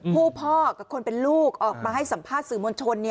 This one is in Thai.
พ่อกับคนเป็นลูกออกมาให้สัมภาษณ์สื่อมวลชน